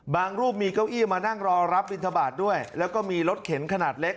รูปมีเก้าอี้มานั่งรอรับบินทบาทด้วยแล้วก็มีรถเข็นขนาดเล็ก